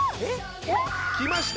きました。